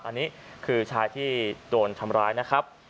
อันนี้คือชายที่โดนทำร้ายนะครับ